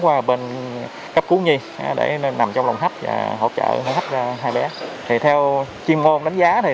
qua bên cấp cú nhi để nằm trong lồng hấp và hỗ trợ hỗ trợ hai bé thì theo chuyên ngôn đánh giá thì